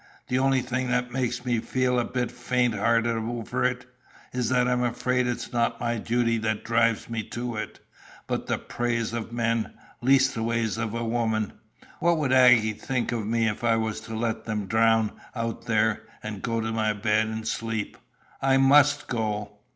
"The only thing that makes me feel a bit faint hearted over it, is that I'm afraid it's not my duty that drives me to it, but the praise of men, leastways of a woman. What would Aggy think of me if I was to let them drown out there and go to my bed and sleep? I must go."